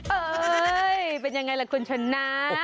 เอ่อเป็นอย่างไรล่ะคุณชนะ